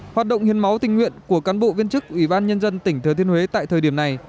hoạt động hiến máu tình nguyện của cán bộ viên chức ubnd tỉnh thứa thiên huế tại thời điểm này